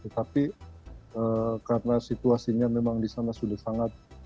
tapi karena situasinya memang di sana sudah sangat